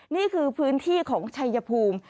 นี่คือพื้นที่ของชัยภูมิ